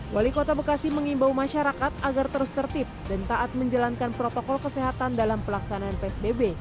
wali kota bekasi mengimbau masyarakat agar terus tertib dan taat menjalankan protokol kesehatan dalam pelaksanaan psbb